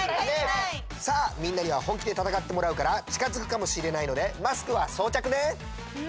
さあみんなにはほんきでたたかってもらうからちかづくかもしれないのでマスクはそうちゃくね！